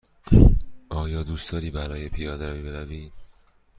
آیا دوست داری برای پیاده روی بروی؟